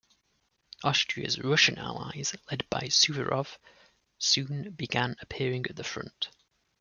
Austria's Russian allies, led by Suvorov, soon began appearing at the front.